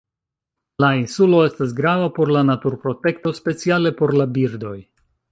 La insulo estas grava por la naturprotekto, speciale por la birdoj.